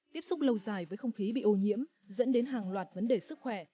tiếp xúc lâu dài với không khí bị ô nhiễm dẫn đến hàng loạt vấn đề sức khỏe